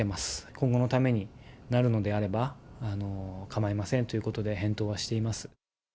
今後のためになるのであれば、構いませんということで返答はしています。